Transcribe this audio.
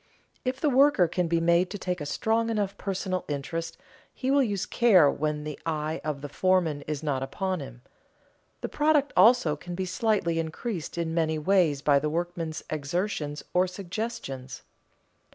If the worker can be made to take a strong enough personal interest he will use care when the eye of the foreman is not upon him. The product also can be slightly increased in many ways by the workmen's exertions or suggestions.